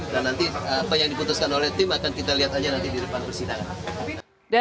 dan nanti apa yang diputuskan oleh tim akan kita lihat aja nanti di depan persidangan